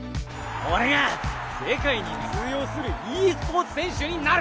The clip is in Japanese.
俺が世界に通用するｅスポーツ選手になる！